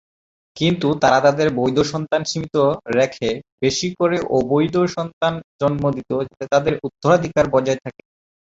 কিন্তু তারা তাদের 'বৈধ' সন্তান সীমিত রেখে বেশি করে অবৈধ সন্তান জন্ম দিতো যাতে তাদের উত্তরাধিকার বজায় থাকে।